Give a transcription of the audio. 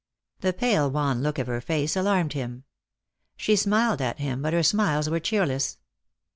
The pale wan look of her face alarmed him. She smiled at him, but her smiles were cheerless.